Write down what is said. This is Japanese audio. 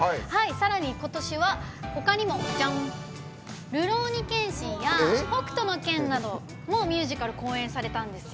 さらに今年はほかにも「るろうに剣心」や「北斗の拳」などもミュージカル公演されたんです。